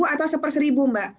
atau seper seribu mbak